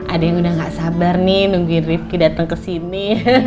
ada yang udah gak sabar nih nungguin rifqi dateng kesini